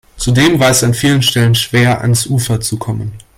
Zudem war es an vielen Stellen schwer, ans Ufer zu kommen.